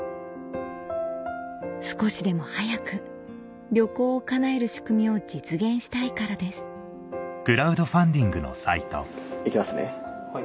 少しでも早く旅行を叶える仕組みを実現したいからですいきますね。